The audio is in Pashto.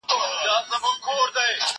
هم د لاس هم يې د سترگي نعمت هېر وو